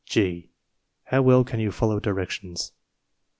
0. How well can you follow directions?